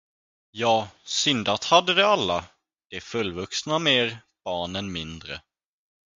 Ja, syndat hade de alla, de fullvuxna mer, barnen mindre.